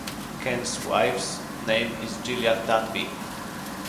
Ken's wife's name is Gillian Danby.